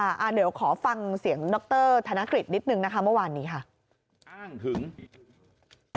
ใช่ค่ะอ่าเดี๋ยวขอฟังเสียงดรธนคริสต์นิดหนึ่งนะคะเมื่อวานนี้ค่ะ